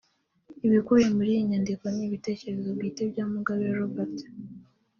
Ibikubiye muri iyi nyandiko ni ibitekerezo bwite bya Mugabe Robert